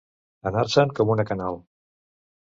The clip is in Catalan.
Anar-se'n com una canal.